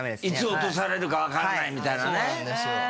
いつ落とされるかわからないみたいなね。